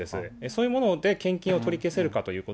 そういうもので献金を取り消せる